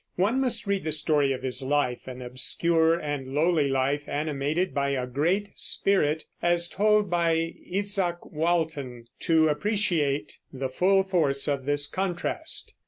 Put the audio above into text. One must read the story of his life, an obscure and lowly life animated by a great spirit, as told by Izaak Walton, to appreciate the full force of this contrast.